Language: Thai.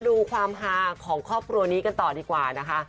ดูความฮาของครอบครัวนี้กันต่อดีกว่านะคะ